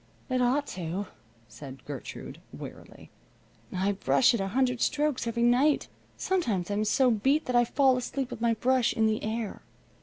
"It ought to," said Gertrude, wearily. "I brush it a hundred strokes every night. Sometimes I'm so beat that I fall asleep with my brush in the air.